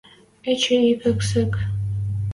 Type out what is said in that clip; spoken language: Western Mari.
Эче ик эксӹк...